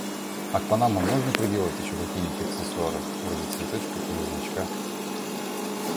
А к панамам можно приделать какие-нибудь аксессуары, вроде цветочка или значка?